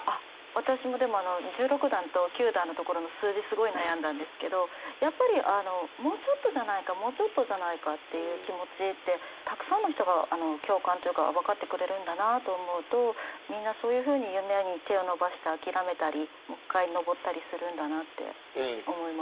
私もでもあの十六段と九段のところの数字すごい悩んだんですけどやっぱりあのもうちょっとじゃないかもうちょっとじゃないかっていう気持ちってたくさんの人が共感というか分かってくれるんだなと思うとみんなそういうふうに夢に手を伸ばして諦めたりもう一回上ったりするんだなって思います。